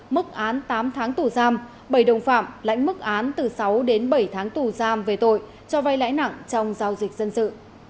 mức án tám tháng tù giam bảy đồng phạm lãnh mức án từ sáu đến bảy tháng tù giam về tội cho vay lãi nặng trong giao dịch dân sự